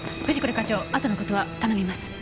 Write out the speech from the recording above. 課長あとの事は頼みます。